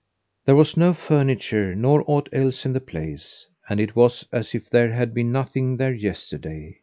There was no furniture nor aught else in the place, and it was as if there had been nothing there yesterday.